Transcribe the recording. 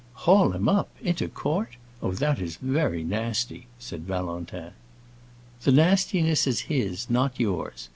"Haul him up, into court? Oh, that is very nasty!" said Valentin. "The nastiness is his—not yours.